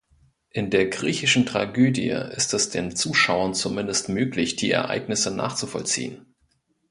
In der griechischen Tragödie ist es den Zuschauern zumindest möglich, die Ereignisse nachzuvollziehen.